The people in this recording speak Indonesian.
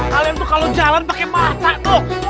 kalian tuh kalau jalan pakai mata dong